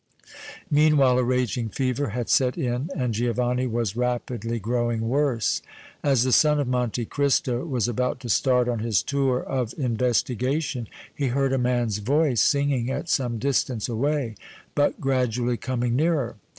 Meanwhile a raging fever had set in and Giovanni was rapidly growing worse. As the son of Monte Cristo was about to start on his tour of investigation, he heard a man's voice singing at some distance away, but gradually coming nearer.